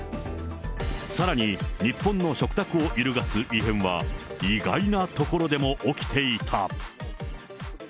さらに、日本の食卓を揺るがす異変は意外な所でも起きていた。